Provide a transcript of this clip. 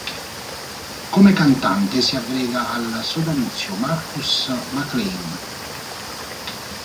Come cantante si aggrega al sodalizio Marcus Maclaine.